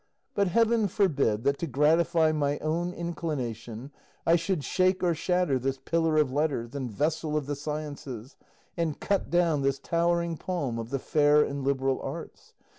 But heaven forbid that, to gratify my own inclination, I should shake or shatter this pillar of letters and vessel of the sciences, and cut down this towering palm of the fair and liberal arts.